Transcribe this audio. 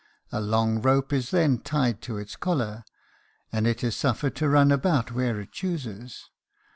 A long rope is then tied to its collar, and it is suffered to run about where it chooses.